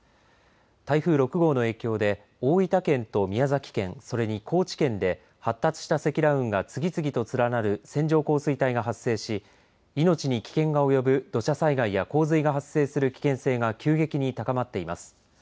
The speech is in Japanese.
台風６号の影響で大分県と宮崎県それに高知県で発達した積乱雲が次々と連なる線状降水帯が発生し命に危険が及ぶ土砂災害や洪水が発生する危険性が急激に高まっています。